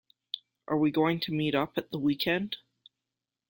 Are we going to meet up at the weekend?